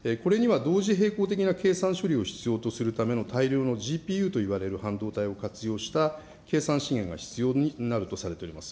これには同時並行的な計算処理を必要とするための大量のＧＰＵといわれる半導体を活用した計算資源が必要になるとされております。